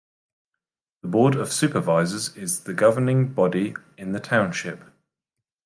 The Board of Supervisors is the governing body in the Township.